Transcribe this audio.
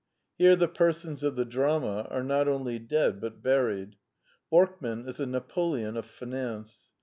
Here the persons of the drama are not only dead but buried. Borkman is a Napoleon of finance.